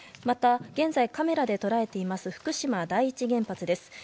また、現在カメラで捉えています福島第一原発です。